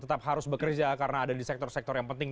tetap harus bekerja karena ada di sektor sektor yang penting